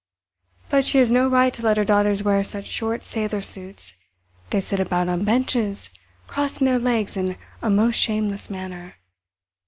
But she has no right to let her daughters wear such short sailor suits. They sit about on benches, crossing their legs in a most shameless manner.